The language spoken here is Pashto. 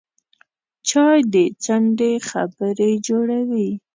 چای د څنډې خبرې جوړوي